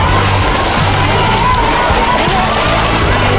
สาวเล็ก